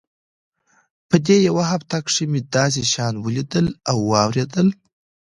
په دې يوه هفته کښې مې داسې شيان وليدل او واورېدل.